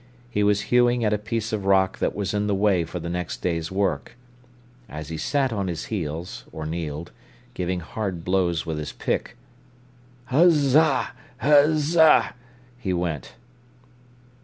He was hewing at a piece of rock that was in the way for the next day's work. As he sat on his heels, or kneeled, giving hard blows with his pick, "Uszza—uszza!" he went.